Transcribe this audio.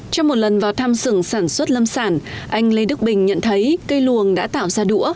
trong một lần vào thăm xưởng sản xuất lâm sản anh lê đức bình nhận thấy cây luồng đã tạo ra đũa